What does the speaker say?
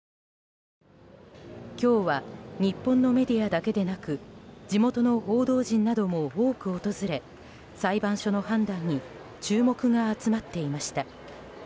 今日は日本のメディアだけでなく地元の報道陣なども多く訪れ裁判所の判断に注目が集まっていました。